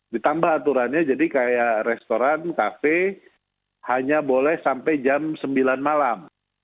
ditambah aturannya jadi kayak restoran kafe hanya boleh sampai jam sembilan malam